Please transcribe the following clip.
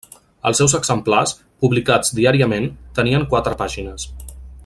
Els seus exemplars, publicats diàriament, tenien quatre pàgines.